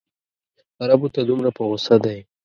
عربو ته دومره په غوسه دی.